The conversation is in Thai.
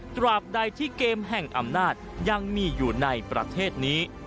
ตราบใดที่เกมแห่งอำนาจยังมีอยู่ในประเทศนี้